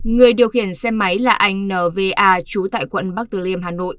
người điều khiển xe máy là anh nva trú tại quận bắc từ liêm hà nội